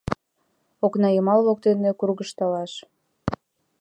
Окнайымал воктен кургыжталаш.